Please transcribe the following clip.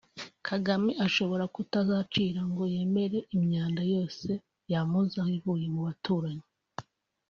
Kagame ashobora kutazacira ngo yemere imyanda yose yamuzaho ivuye mu baturanyi